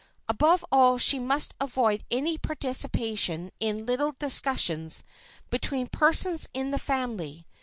Above all she must avoid any participation in little discussions between persons in the family.